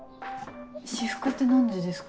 私服って何でですか？